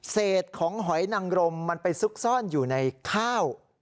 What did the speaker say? เศษของหอยนังรมมันไปซุกซ่อนอยู่ในข้าว